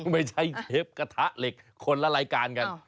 ไม่ใช่เชฟกระทะเหล็กคนละรายการกัน